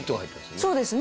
そうですね。